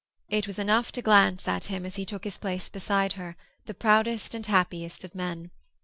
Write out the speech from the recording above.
It was enough to glance at him as he took his place beside her, the proudest and happiest of men.